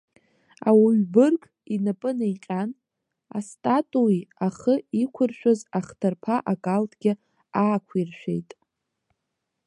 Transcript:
Ауаҩ бырг инапы неиҟьан, астатуи ахы иқәыршәыз ахҭырԥа акалҭгьы аақәиршәеит.